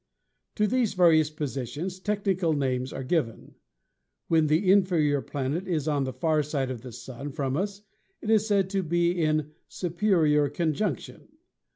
"To these various positions technical names are given. When the inferior planet is on the far side of the Sun from us it is said to be in 'Superior Conjunction.'